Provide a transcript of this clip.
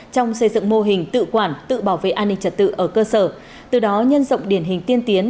trong xây dựng mô hình tự quản tự bảo vệ an ninh trật tự ở cơ sở từ đó nhân rộng điển hình tiên tiến